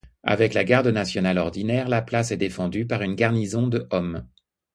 Avec la Garde Nationale ordinaire, la place est défendue par une garnison de hommes.